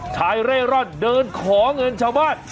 ชายเร่ร่อนเดินขอเงินชาวบ้าน